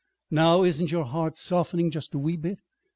Now, isn't your heart softening just a wee bit?